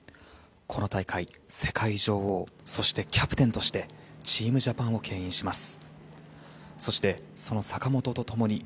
この大会、世界女王そしてキャプテンとしてチームジャパンを牽引します。